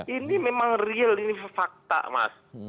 ini memang real ini fakta mas